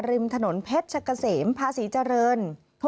ริมถนนเพชรเกษมพาสีเจริญ